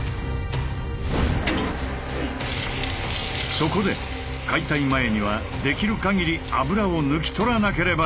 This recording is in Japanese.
そこで解体前にはできるかぎり油を抜き取らなければならない。